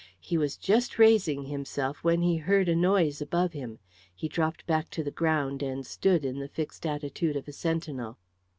He was just raising himself when he heard a noise above him. He dropped back to the ground and stood in the fixed attitude of a sentinel.